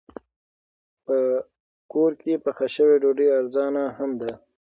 په کور کې پخه شوې ډوډۍ ارزانه هم ده.